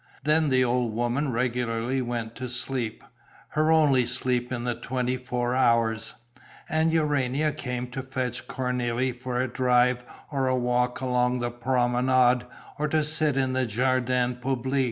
Then the old woman regularly went to sleep her only sleep in the twenty four hours and Urania came to fetch Cornélie for a drive or a walk along the Promenade or to sit in the Jardin Public.